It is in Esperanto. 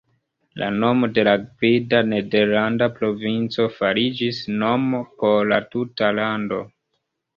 La nomo de la gvida nederlanda provinco fariĝis nomo por la tuta lando.